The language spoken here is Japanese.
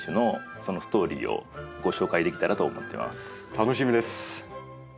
楽しみです。